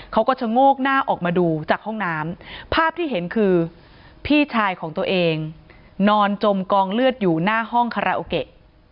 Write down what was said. เขาก็ชะโงกหน้าออกมาดูจากห้องน้ำภาพที่เห็นคือพี่ชายของตัวเองนอนจมกองเลือดอยู่หน้าห้องคาราโอเกะ